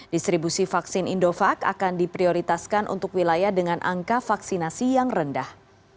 distribusi vaksin indovac akan diprioritaskan untuk wilayah dengan angka vaksinasi yang rendah